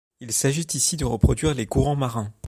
Il s'agit ici de reproduire les courants marins.